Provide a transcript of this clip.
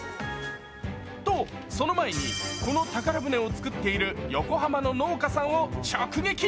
とその前にこの宝船を作っている横浜の農家さんを直撃。